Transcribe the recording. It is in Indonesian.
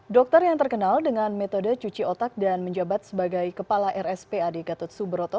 dokter yang terkenal dengan metode cuci otak dan menjabat sebagai kepala rspad gatot subroto